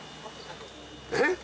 えっ？